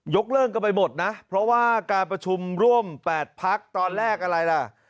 เลิกกันไปหมดนะเพราะว่าการประชุมร่วม๘พักตอนแรกอะไรล่ะ